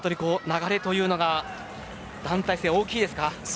流れというのが団体戦は大きいです。